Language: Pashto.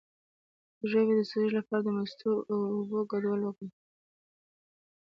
د ژبې د سوزش لپاره د مستو او اوبو ګډول وکاروئ